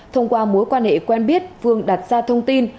thông qua mối quan hệ quen biết vương đặt ra thông tin